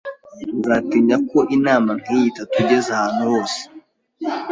Nzatinya ko inama nkiyi itatugeza ahantu hose.